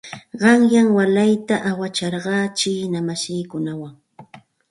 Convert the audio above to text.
Qanyan voleyta awasarqaa chiina masiikunawan.